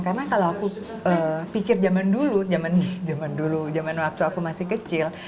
karena kalau aku pikir zaman dulu zaman waktu aku masih kecil